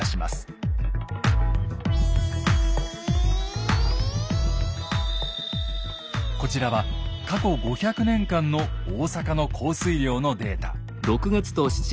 こちらは過去５００年間の大阪の降水量のデータ。